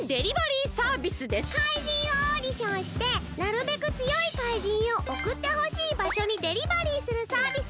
怪人をオーディションしてなるべくつよい怪人をおくってほしいばしょにデリバリーするサービスです！